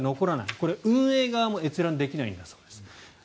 これ、運営側も閲覧できないんだそうです。